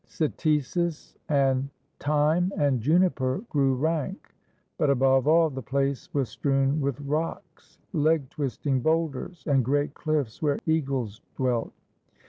Cytisus and thyme and juniper grew rank, but, above all, the place was strewn with rocks, leg twisting boulders, and great cliffs where eagles dwelt.